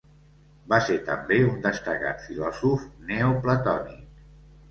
Va ser també un destacat filòsof neoplatònic.